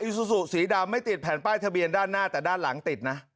ซูซูสีดำไม่ติดแผ่นป้ายทะเบียนด้านหน้าแต่ด้านหลังติดนะ